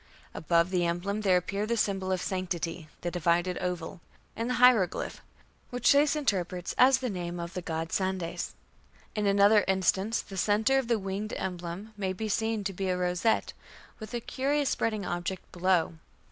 Above the emblem there appear the symbol of sanctity (the divided oval) and the hieroglyph which Professor Sayce interprets as the name of the god Sandes." In another instance "the centre of the winged emblem may be seen to be a rosette, with a curious spreading object below.